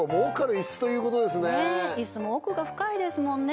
イスも奥が深いですもんね